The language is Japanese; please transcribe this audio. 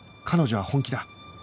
彼女は本気だ